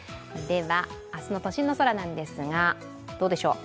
明日の都心の空なんですが、どうでしょう。